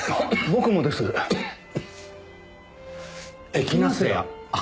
エキナセア。